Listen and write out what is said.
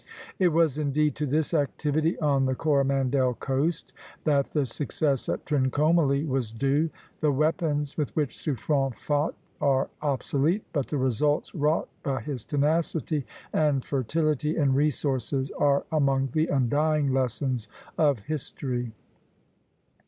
'" It was indeed to this activity on the Coromandel coast that the success at Trincomalee was due. The weapons with which Suffren fought are obsolete; but the results wrought by his tenacity and fertility in resources are among the undying lessons of history.